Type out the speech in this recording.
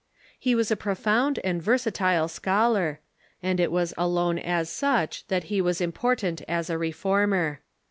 He was a profound and versatile scholar, and it Avas alone as such that he Avas important as a Reformer.